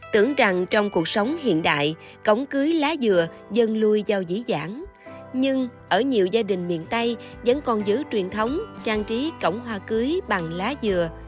tưởng rằng trong cuộc sống hiện đại cổng cưới lá dừa dần lui vào dĩ dãn nhưng ở nhiều gia đình miền tây vẫn còn giữ truyền thống trang trí cổng hoa cưới bằng lá dừa